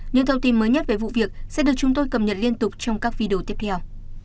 những thông tin mới nhất về vụ việc sẽ được chúng tôi cập nhật liên tục trong các video tiếp theo